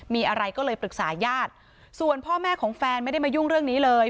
มีอะไรก็เลยปรึกษาญาติส่วนพ่อแม่ของแฟนไม่ได้มายุ่งเรื่องนี้เลย